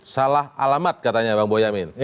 salah alamat katanya bang boyamin